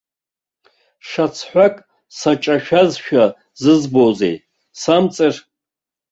Шьацҳәак саҿашәазшәа зызбозеи, самҵыр.